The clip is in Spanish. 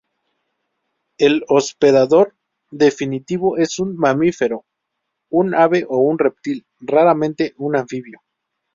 El hospedador definitivo es un mamífero, un ave o un reptil, raramente un anfibio.